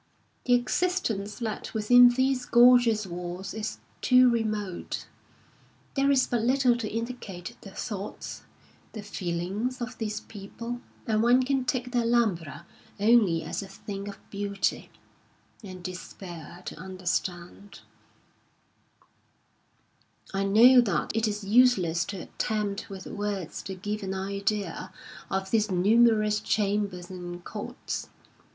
The existence led 187 Ube lanb of tbe SUffcb Pfroin The within these gorgeous walls is too remote ; there is Alhambrm but little to indicate the thoughts, the feelings, of these people, and one can take the Alhambra only as a thing of beauty, and despair to understand. I know that it is useless to attempt with words to give an idea of these numerous chambers and courts.